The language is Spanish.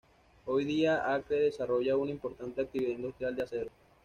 Hoy día Acre desarrolla una importante actividad industrial de acero.